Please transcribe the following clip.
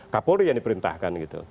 kapolri yang diperintahkan gitu